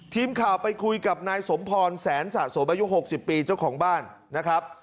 ทีมข่าวไปคุยกับนายสมพรแสนสะสมอายุ๖๐ปีเจ้าของบ้านนะครับ